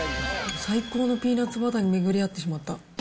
最高のピーナッツバターに巡り会ってしまった。